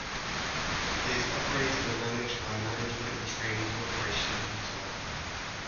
It is operated and managed by Management and Training Corporation of Utah.